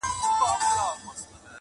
• بد نومونه تر قیامته پاته کیږي -